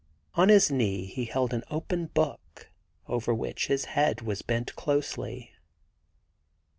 On his knee he held an open book over which his head was bent closely.